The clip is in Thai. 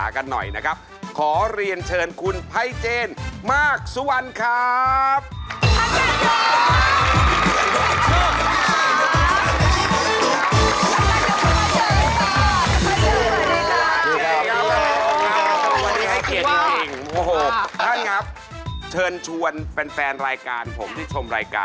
คนที่รู้จักสงขาส่วนมากแต่ก่อนก็คือหาสมีหลา